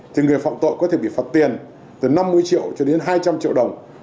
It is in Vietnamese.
thì người phạm tội có thể bị phạt tiền từ năm mươi triệu cho đến hai trăm linh triệu đồng